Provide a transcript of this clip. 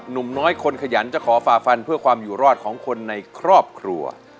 หนุ่มน้อยคนขยันจะขอฝ่าฟันเพื่อความอยู่รอดของคนในครอบครัว